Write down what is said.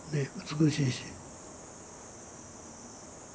美しいし。